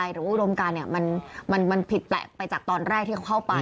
หรือว่ามันผิดเเปละไปจากตอนแรกที่เข้าไป